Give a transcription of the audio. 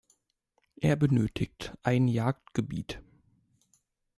Er benötigt ein Jagdgebiet.